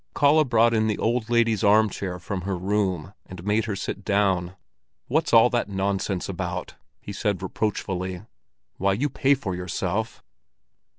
Kalle brought in the old lady's arm chair from her room, and made her sit down. "What's all that nonsense about?" he said reproachfully. "Why, you pay for yourself!"